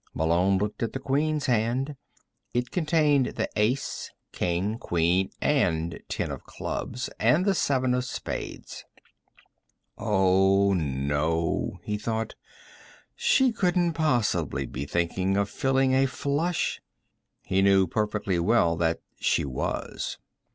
Malone looked at the Queen's hand. It contained the Ace, King, Queen and ten of clubs and the seven of spades. Oh, no, he thought. She couldn't possibly be thinking of filling a flush. He knew perfectly well that she was.